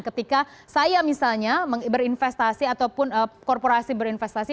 ketika saya misalnya berinvestasi ataupun korporasi berinvestasi